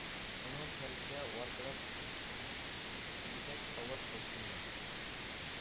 ---- ئۇنىڭ پەرىزىگە ۋارقىراپ دېگۈدەك ئاۋاز قوشتۇم مەن.